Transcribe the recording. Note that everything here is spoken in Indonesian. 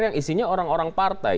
yang isinya orang orang partai